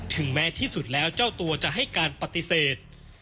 แม้ที่สุดแล้วเจ้าตัวจะให้การปฏิเสธ